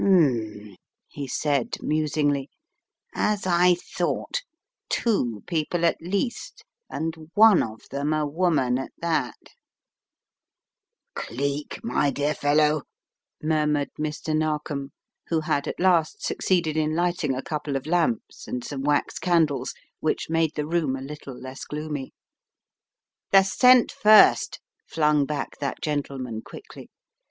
"Hmn," he said musingly, "as I thought, two people at least and one of them a woman at that " "Cleek, my dear fellow!" murmured Mr. Narkom, who had at last succeeded in lighting a couple of lamps and some wax candles which made the room a little less gloomy. "The scent first," flung back that gentleman quickly.